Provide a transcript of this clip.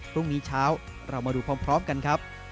พรุ่งนี้เช้าเรามาดูพร้อมกันครับ